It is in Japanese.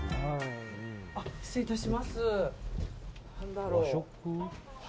失礼いたします。